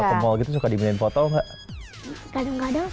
kalau ke mall gitu suka dibikin foto gak